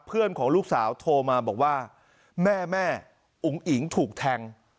เพื่อนของลูกสาวโทรมาบอกว่าแม่แม่อุ๋งอิ๋งถูกแทง